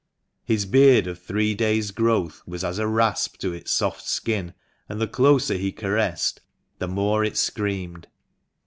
His beard of three days growth was as a rasp to its soft skin, and the closer he caressed, the more it screamed.